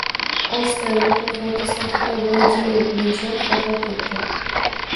«Oskar» mukofoti sohibi Vladimir Menshov vafot etdi